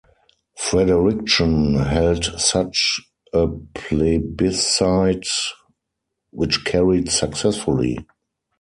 Fredericton held such a plebiscite which carried successfully.